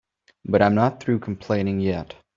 But I'm not through complaining yet.